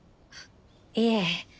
いえ。